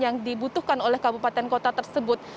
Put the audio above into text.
yang dibutuhkan oleh kabupaten kota tersebut